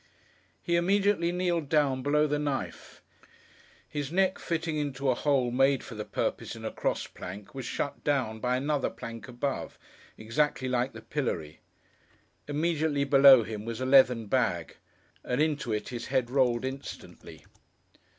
He immediately kneeled down, below the knife. His neck fitting into a hole, made for the purpose, in a cross plank, was shut down, by another plank above; exactly like the pillory. Immediately below him was a leathern bag. And into it his head rolled instantly.